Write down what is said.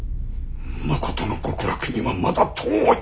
まことの極楽にはまだ遠い！